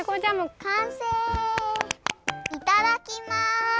いただきます！